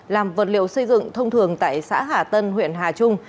làm vật liệu xây dựng thông thường tại xã hà tân huyện hà trung